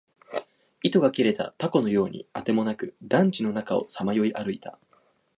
糸が切れた凧のようにあてもなく、団地の中をさまよい歩いた